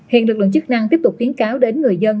hiện lực lượng chức năng tiếp tục khuyến cáo đến người dân